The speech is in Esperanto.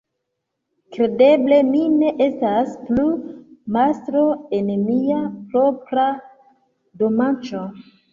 Kredeble, mi ne estas plu mastro en mia propra domaĉo!